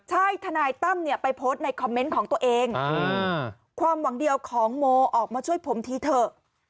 ใช่ทนายตั้มเนี่ยไปโพสต์ในคอมเมนต์ของตัวเองความหวังเดียวของโมออกมาช่วยผมทีเถอะ